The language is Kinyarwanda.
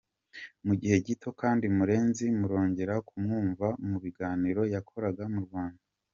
Mu gihe gito kandi, Murenzi murongera kumwumva mu biganiro yakoraga mu Rwanda.